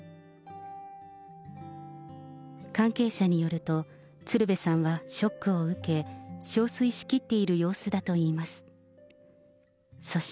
関係者によると、鶴瓶さんはショックを受け、憔悴しきっている様子だといいます。